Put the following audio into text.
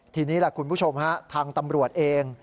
ทีนี้ล่ะคุณผู้ชมฮะทางตำรวจเอง